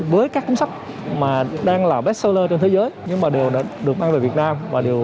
với các cuốn sách mà đang là bessale trên thế giới nhưng mà đều được mang về việt nam và đều